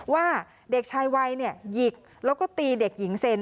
ว่าเด็กชายวัยหยิกแล้วก็ตีเด็กหญิงเซ็น